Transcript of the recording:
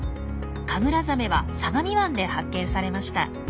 カグラザメは相模湾で発見されました。